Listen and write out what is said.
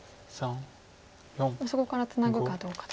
そこからツナぐかどうかと。